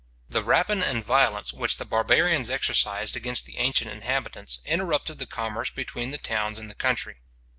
The rapine and violence which the barbarians exercised against the ancient inhabitants, interrupted the commerce between the towns and the country.